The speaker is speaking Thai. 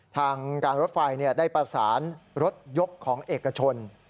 ทางการรถไฟได้ประสานรถยกของเอกชน